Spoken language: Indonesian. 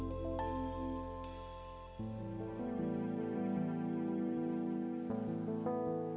aku juga suka